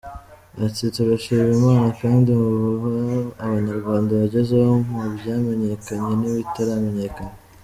Ati “Turashima Imana kandi mu byo Abanyarwanda bagezeho, mu byamenyekanye n’ibitaramenyekanye.